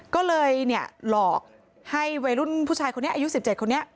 ก็เลยหลอกให้วัยรุ่นผู้ชายคนนี้อายุ๑๗คนนี้